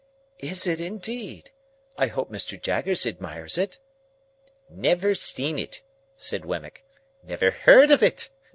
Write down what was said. "Is it indeed? I hope Mr. Jaggers admires it?" "Never seen it," said Wemmick. "Never heard of it.